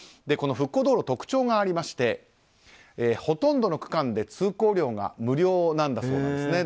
この復興道路特徴がありましてほとんどの区間で通行料が無料なんだそうです。